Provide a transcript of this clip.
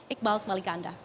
iqbal kembali ke anda